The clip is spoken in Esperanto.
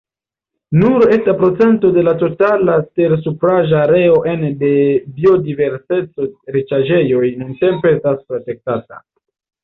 Nur eta procento de la totala tersupraĵa areo ene de biodiverseco-riĉaĵejoj nuntempe estas protektata.